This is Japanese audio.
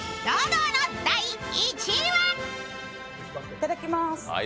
いただきます。